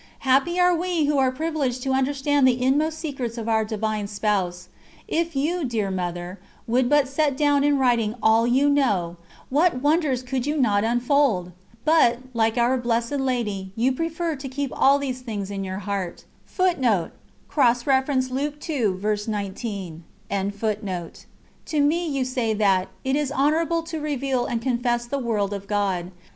Happy are we who are privileged to understand the inmost secrets of Our Divine Spouse. If you, dear Mother, would but set down in writing all you know, what wonders could you not unfold! But, like Our Blessed Lady, you prefer to keep all these things in your heart. To me you say that "It is honourable to reveal and confess the world of God."